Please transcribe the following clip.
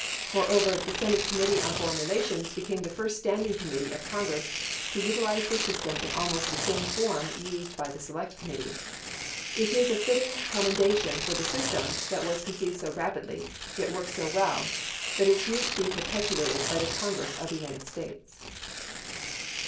Moreover, the Senate Com mittee on Foreign Relations became the first standing committee of Congress to utilize the system in almost the same form used by the Select Committee. It is a fitting commendation for the system that was conceived so rapidly, yet worked so well, that its use be perpetuated by the Congress of the United States.